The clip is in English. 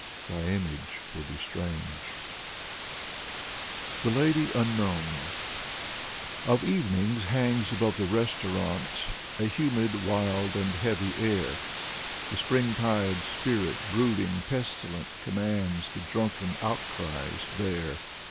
Thy image will be strange. Alexander Blok 129 THE LADY UNKNOWN Of evenings hangs above the restaurant A humid, wild and heavy air. The Springtide spirit, brooding, pestilent, Commands the drunken outcries there.